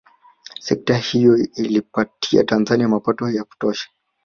Sekta hiyo iliipatia Tanzania mapato ya kuotosha